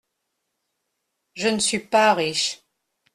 Je ne suis pas riche.